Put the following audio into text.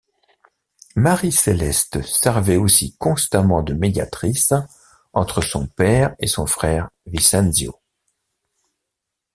Marie Céleste servait aussi constamment de médiatrice entre son père et son frère Vincenzio.